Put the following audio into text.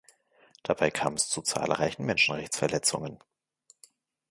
Dabei kam es zu zahlreichen Menschenrechtsverletzungen.